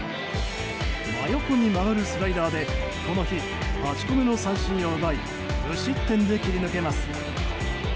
真横に曲がるスライダーでこの日８個目の三振を奪い無失点で切り抜けます。